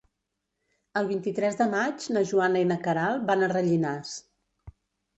El vint-i-tres de maig na Joana i na Queralt van a Rellinars.